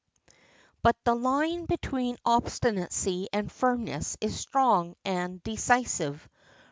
But the line between obstinacy and firmness is strong and decisive.